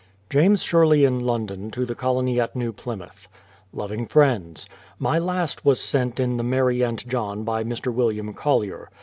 James Sherley in London to the Colony at New Plymouth: Loving Friends, My last was sent in the Mary and John by Mr, William Collier.